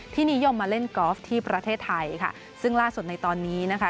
นิยมมาเล่นกอล์ฟที่ประเทศไทยค่ะซึ่งล่าสุดในตอนนี้นะคะ